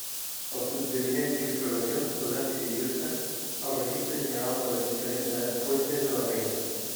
Els suggeriments i observacions podran dirigir-se al Registre General de l'Ajuntament de Fuente de la Reina.